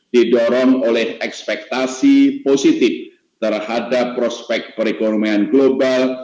didorong oleh ekspektasi positif terhadap prospek perekonomian global